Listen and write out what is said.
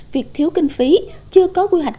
việc thiếu kinh phí chưa có quy hoạch